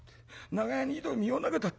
長屋の井戸に身を投げたって。